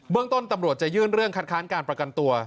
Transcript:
เรื่องต้นตำรวจจะยื่นเรื่องคัดค้านการประกันตัว